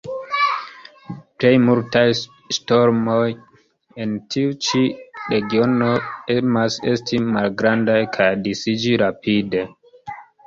Plejmultaj ŝtormoj en tiu ĉi regiono emas esti malgrandaj kaj disiĝi rapide.